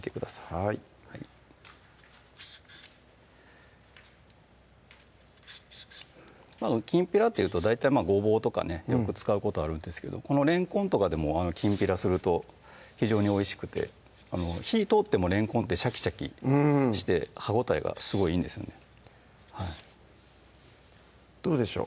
はいきんぴらっていうとごぼうとかねよく使うことあるんですけどこのれんこんとかでもきんぴらすると非常においしくて火ぃ通ってもれんこんってシャキシャキして歯応えがすごいいいんですよねどうでしょう？